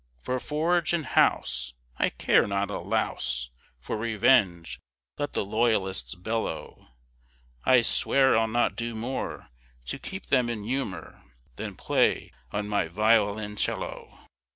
"For forage and house I care not a louse; For revenge, let the Loyalists bellow: I swear I'll not do more To keep them in humor, Than play on my violoncello.